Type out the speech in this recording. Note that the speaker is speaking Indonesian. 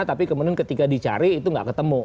karena kalau mereka cari itu tidak ketemu